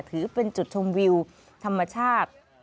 ถือเป็นจุดชมวิวธรรมชาติ